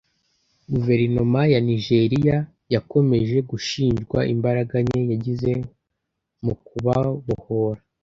Guverinoma ya Nigeria yakomeje gushinjwa imbaraga nke yagize mu kubabohora